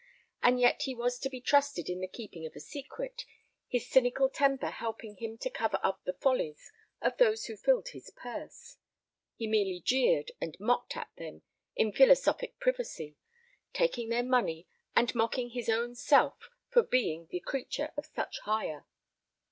And yet he was to be trusted in the keeping of a secret, his cynical temper helping him to cover up the follies of those who filled his purse. He merely jeered and mocked at them in philosophic privacy, taking their money, and mocking his own self for being the creature of such hire.